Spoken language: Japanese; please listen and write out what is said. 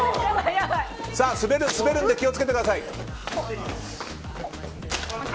滑るので気を付けてください。